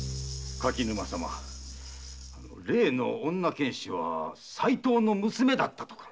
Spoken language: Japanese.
柿沼様例の女剣士は齋藤の娘だとか。